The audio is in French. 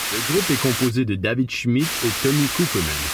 Le groupe est composé de David Schmitt, et Tommy Cooperman.